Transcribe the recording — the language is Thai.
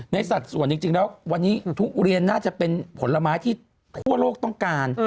สัดส่วนจริงแล้ววันนี้ทุเรียนน่าจะเป็นผลไม้ที่ทั่วโลกต้องการ